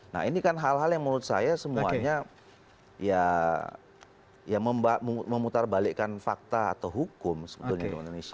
nah ini kan hal hal yang menurut saya semuanya ya memutar balikkan fakta atau hukum sebetulnya di indonesia